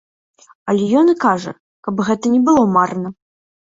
Але ён і кажа, каб гэта не было марна.